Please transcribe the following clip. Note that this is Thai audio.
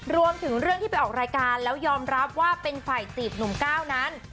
รวมถึงเรื่องที่ไปออกรายการแล้วยอมรับว่าเป็นฝ่ายจีบหนุ่มก้าวนั้น